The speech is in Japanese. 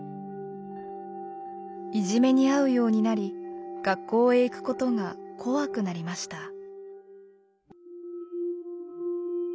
いじめに遭うようになり学校へ行くことが怖くなりました。